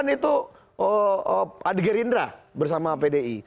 dua ribu sembilan itu ada gerindra bersama pdi